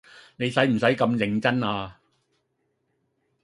你洗唔洗咁認真啊？